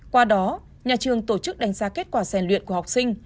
qua đó nhà trường tổ chức đánh giá kết quả rèn luyện của học sinh